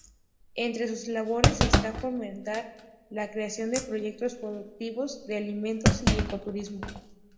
Entre sus labores está fomentar la creación de proyectos productivos de alimentos y ecoturismo.